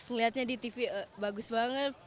ngeliatnya di tv bagus banget